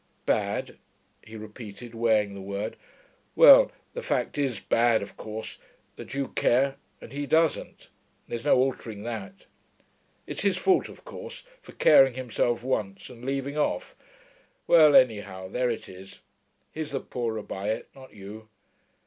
'Bad?' he repeated, weighing the word. 'Well, the fact is bad, of course that you care and he doesn't. There's no altering that. It's his fault, of course, for caring himself once and leaving off. Well, anyhow, there it is. He's the poorer by it, not you....